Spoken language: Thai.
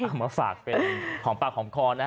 เอามาฝากเป็นของปากของคลอนนะคะ